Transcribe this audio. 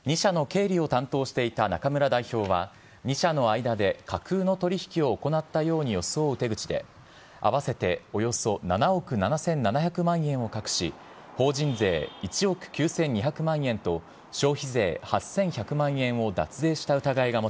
２社の経理を担当していた中村代表は２社の間で架空の取り引きを行ったように装う手口で合わせておよそ７億７７００万円を隠し、法人税１億９２００万円と消費税８１００万円を脱税した疑いが持